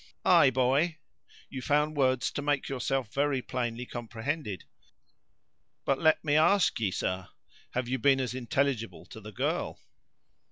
"Ay, boy, you found words to make yourself very plainly comprehended. But, let me ask ye, sir, have you been as intelligible to the girl?"